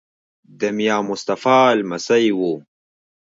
د میا مصطفی لمسی وو.